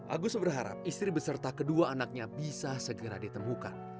agus berharap istri beserta kedua anaknya bisa segera ditemukan